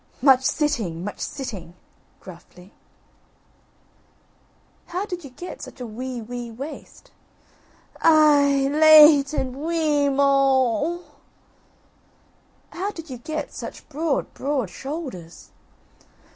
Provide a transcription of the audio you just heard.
"Much sitting, much sitting" (gruffly). "How did you get such a wee wee waist?" "Aih h h! late and wee e e moul" (whiningly). "How did you get such broad broad shoulders?"